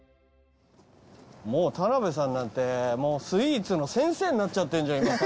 もう田辺さんなんてもうスイーツの先生になっちゃってんじゃん